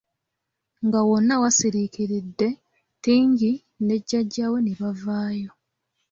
Nga wonna wasiriikiridde, Tingi ne jjajja we ne bavaayo.